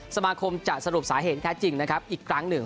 สมาคมจะสรุปสาเหตุแท้จริงนะครับอีกครั้งหนึ่ง